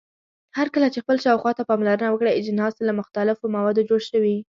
هرکله چې خپل شاوخوا ته پاملرنه وکړئ اجناس له مختلفو موادو جوړ شوي.